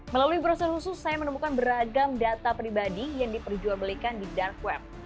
melalui brosel khusus saya menemukan beragam data pribadi yang diperjualbelikan di dark web